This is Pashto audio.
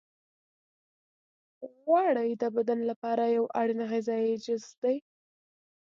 غوړې د بدن لپاره یو اړین غذایي جز دی.